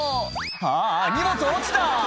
「あ荷物落ちた！